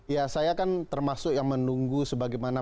ya saya kan termasuk yang menunggu sebagaimana